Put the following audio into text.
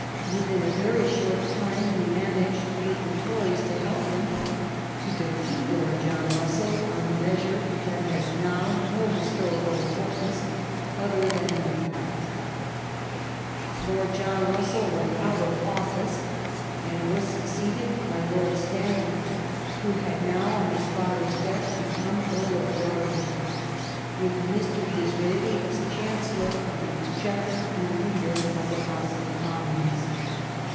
Within a very short time he managed, with the Tories to help him, to defeat Lord John Russell on a measure that has now no histori cal importance other than in that fact. Lord John Russell went out of of fice, and was suc ceeded by Lord Stanley, who had now, on his father's death, become Earl of Derby, with Mr. DisraL'li as Chancellor of the Exchequer and leader of the House of Commons.